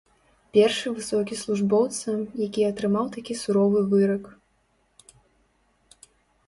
Першы высокі службоўца, які атрымаў такі суровы вырак.